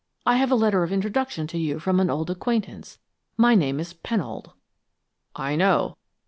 I have a letter of introduction to you from an old acquaintance. My name is Pennold.' "'I know.'